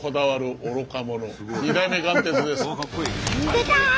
出た！